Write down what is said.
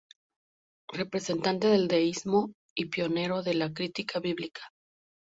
Representante del deísmo y pionero de la crítica bíblica.